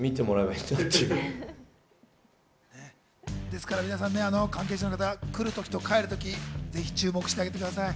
ですから皆さん、関係者の方来る時と帰る時、ぜひ注目してあげてください。